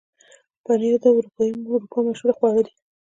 پنېر د اروپا مشهوره خواړه ده.